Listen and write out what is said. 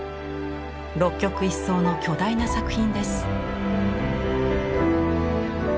六曲一双の巨大な作品です。